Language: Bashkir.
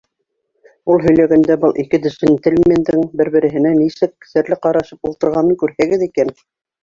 Ул һөйләгәндә был ике джентльмендың бер-береһенә нисек серле ҡарашып ултырғанын күрһәгеҙ икән!